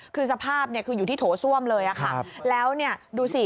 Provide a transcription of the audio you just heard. คือสภาพอยู่ที่โถ้ส้วมเลยค่ะแล้วนี่ดูสิ